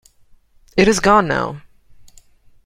It has gone now.